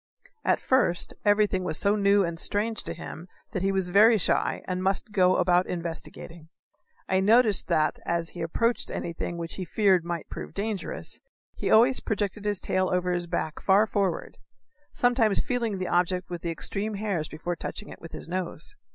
At first everything was so new and strange to him that he was very shy and must go about investigating. I noticed that, as he approached anything which he feared might prove dangerous, he always projected his tail over his back far forward sometimes feeling the object with the extreme hairs before touching it with his nose.